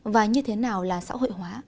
và như thế nào là xã hội hóa